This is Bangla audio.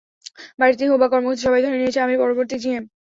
বাড়িতে হোক বা কর্মক্ষেত্রে, সবাই ধরে নিয়েছে আমিই পরবর্তী জিএম।